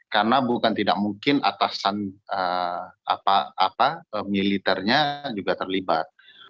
karena bukan tidak mungkin atasan militernya juga terlibat